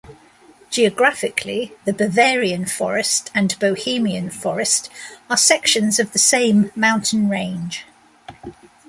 Geographically the Bavarian Forest and Bohemian Forest are sections of the same mountain range.